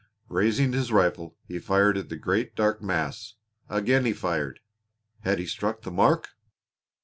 Raising his rifle, he fired at the great dark mass. Again he fired! Had he struck the mark?